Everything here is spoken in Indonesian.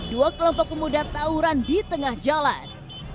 dua kelompok pemuda tauran di tengah jalan